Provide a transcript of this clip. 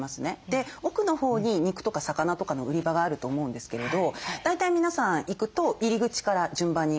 で奥のほうに肉とか魚とかの売り場があると思うんですけれど大体皆さん行くと入り口から順番に買い物をするじゃないですか。